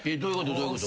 どういうこと？